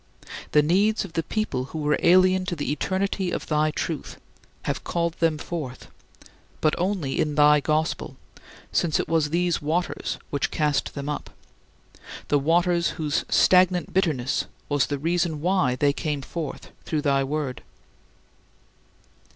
The needs of the people who were alien to the eternity of thy truth have called them forth, but only in thy gospel, since it was these "waters" which cast them up the waters whose stagnant bitterness was the reason why they came forth through thy Word.